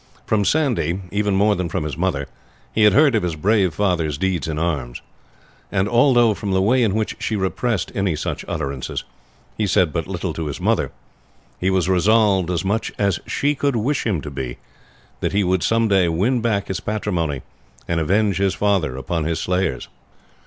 From Sandy even more than from his mother he had heard of his brave father's deeds in arms; and although, from the way in which she repressed any such utterances, he said but little to his mother, he was resolved as much as she could wish him to be, that he would some day win back his patrimony, and avenge his father upon his slayers.